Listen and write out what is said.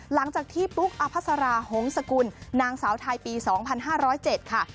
หลังจากที่ปุ๊กอภัสราหงษกุลนางสาวไทยปี๒๕๐๗ค่ะ